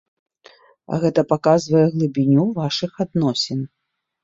Гэта паказвае глыбіню вашых адносін.